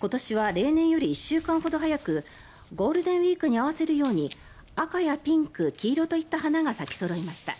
今年は例年より１週間ほど早くゴールデンウィークに合わせるように赤やピンク、黄色といった花が咲きそろいました。